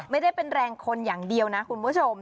ไม่ได้เป็นแรงคนอย่างเดียวนะคุณผู้ชม